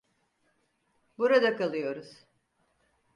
Burada kalıyoruz.